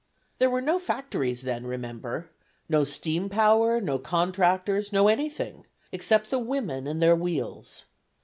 There were no factories then, remember: no steam power, no contractors, no anything except the women and their wheels.